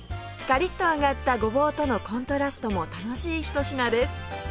カリッと揚がったごぼうとのコントラストも楽しいひと品です